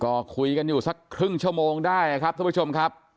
ก็คุยกันอยู่สักครึ่งชั่วโมงได้ครับท่านผู้ชมครับ